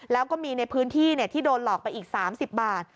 แล้วก็มีในพื้นที่ที่โดนหลอกไปอีก๓๐บาท